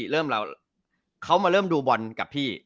เริ่มเราเขามาเริ่มดูบอลกับพี่